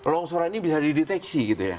longsoran ini bisa dideteksi gitu ya